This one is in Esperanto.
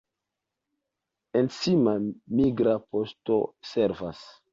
En Sima migra poŝto servas.